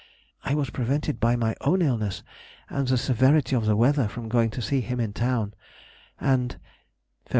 I was prevented by my own illness and the severity of the weather from going to see him in town, and _Feb.